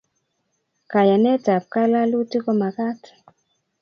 Kayanet ab kalalutik komakat